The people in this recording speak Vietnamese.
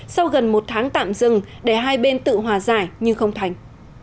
sau gần một tháng tạm dừng để hai bên tự hòa giải nhưng không thành